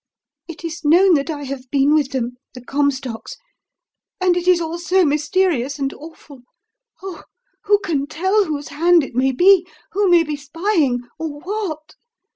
"It is known that I have been with them the Comstocks and it is all so mysterious and awful.... Oh, who can tell whose hand it may be? who may be spying? or what?